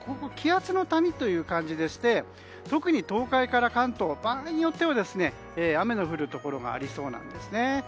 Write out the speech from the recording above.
気圧の谷という感じでして特に東海から関東場合によっては雨の降るところがありそうなんですね。